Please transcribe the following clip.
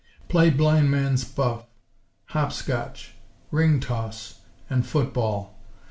Play "blind man's buff," "hop scotch," "ring toss," and football.